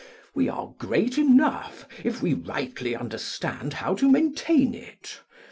We are great enough, if we rightly understand how to maintain it.